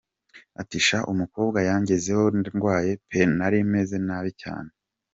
Ati: “Sha umukobwa yangezeho ndwaye pe, nari meze nabi cyane.